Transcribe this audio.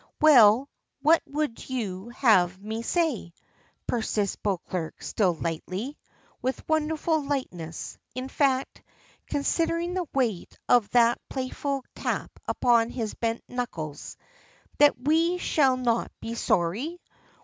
"Well, what would you have me say?" persists Beauclerk still lightly, with wonderful lightness, in fact, considering the weight of that playful tap upon his bent knuckles. "That we shall not be sorry?